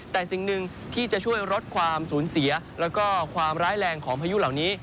แต่สิ่งหนึ่งที่จะช่วยลดความสูญเสียแล้วก็ความร้ายแรงของพายุเหล่านี้